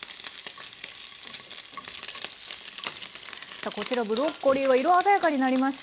さあこちらブロッコリーは色鮮やかになりました。